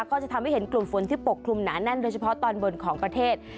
ก็จะทำให้เห็นกลุ่มฝนที่ปกคลุมหนาแน่นโดยเฉพาะตอนบนของประเทศ